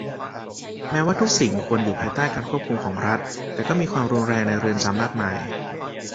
แม้ว่าทุกสิ่งควรอยู่ภายใต้การควบคุมของรัฐ แต่ก็มีความรุนแรงในเรือนจำมากมาย